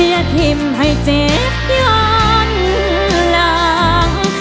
อย่าพิมพ์ให้เจ็บย้อนหลัง